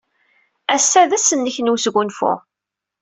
Ass-a d ass-nnek n wesgunfu.